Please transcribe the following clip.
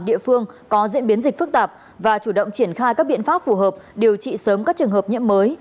địa phương có diễn biến dịch phức tạp và chủ động triển khai các biện pháp phù hợp điều trị sớm các trường hợp nhiễm mới